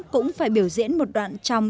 cũng phải biểu diễn một đoạn trong